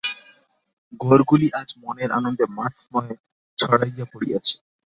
গোরুগুলি আজ মনের আনন্দে মাঠ-ময় ছড়াইয়া পড়িয়াছে।